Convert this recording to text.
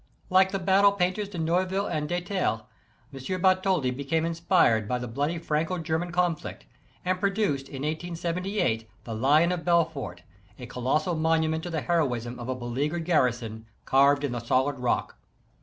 Like the battle painters de NeuN'ille and Detaille, M. Bartholdi became inspired by the bloody Franco German conflict, and produced in 1878 the Lion of Belfort, a colossal monument to the heroism of a beleaguered garrison, carved in the solid rock.